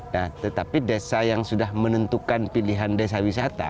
nah tetapi desa yang sudah menentukan pilihan desa wisata